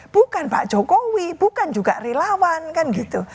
bukan pak jokowi bukan juga relawan kan gitu